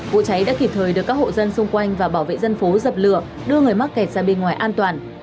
vụ cháy đã kịp thời được các hộ dân xung quanh và bảo vệ dân phố dập lửa đưa người mắc kẹt ra bên ngoài an toàn